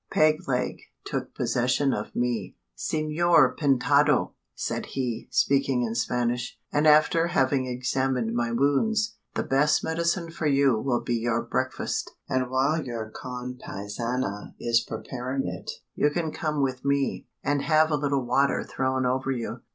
Peg leg took possession of me. "Senor Pintado!" said he, speaking in Spanish, and after having examined my wounds, "the best medicine for you will be your breakfast; and while your conpaisana is preparing it, you can come with me, and have a little water thrown over you.